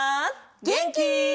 げんき？